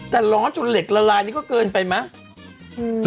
แต่ร้อนจนเหล็กละลายนี่ก็เกินไปไหม